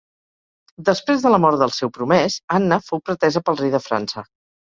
Després de la mort del seu promès, Anna fou pretesa pel rei de França.